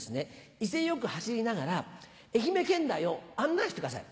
威勢良く走りながら愛媛県内を案内してください。